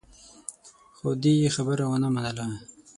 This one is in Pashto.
خو دې يې خبره ونه منله.